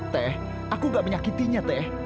teh aku gak menyakitinya teh